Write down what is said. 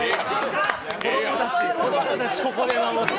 子供たちをここで守って。